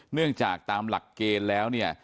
เนื่องจากตามหลักเกณฑ์แล้วเนี่ย